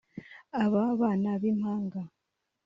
Aba bana b’impanga